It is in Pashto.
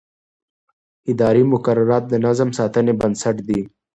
اداري مقررات د نظم د ساتنې بنسټ دي.